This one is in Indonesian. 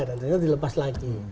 dan ternyata dilepas lagi